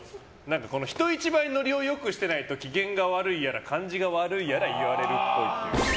人一倍ノリを良くしてないと機嫌が悪いやら感じが悪いやら言われるっぽい。